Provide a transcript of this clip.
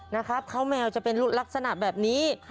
นะครับเขาแมวจะเป็นลักษณะแบบนี้